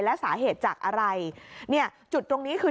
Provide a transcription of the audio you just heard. และสาเหตุจากอะไรเนี่ยจุดตรงนี้คือ